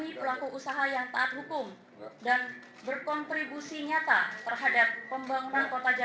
itu kan salah satu inisiatif kita